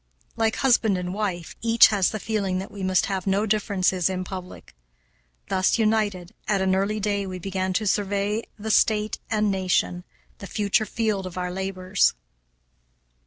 Like husband and wife, each has the feeling that we must have no differences in public. Thus united, at an early day we began to survey the state and nation, the future field of our labors.